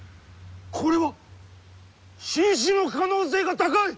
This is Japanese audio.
これは新種の可能性が高い！